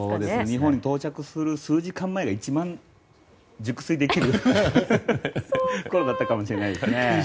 日本に到着する数時間前が一番熟睡できるころだったかもしれないですね。